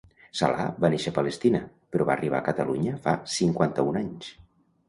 Salah va néixer a Palestina, però va arribar a Catalunya fa cinquanta-un anys.